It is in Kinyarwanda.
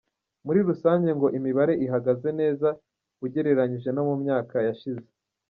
Muri rusange ngo imibare ihagaze neza ugereranyije no mu myaka yashize.